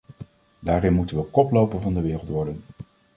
Daarin moeten we koploper van de wereld worden.